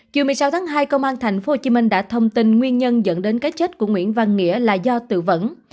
chiều một mươi sáu tháng hai công an tp hcm đã thông tin nguyên nhân dẫn đến cái chết của nguyễn văn nghĩa là do tự vẫn